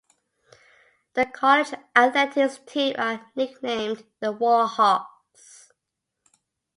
The college athletics teams are nicknamed the Warhawks.